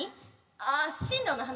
あ進路の話？